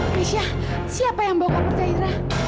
maisya siapa yang bawa kabur zairah